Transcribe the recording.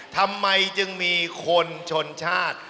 ทำไมจึงมีคนชนชาติ